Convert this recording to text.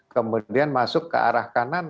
kemudian masuk ke arah kanan